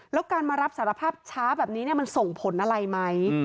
แล้วการมารับสารภาพช้าแบบนี้มันส่งผลอะไรไหม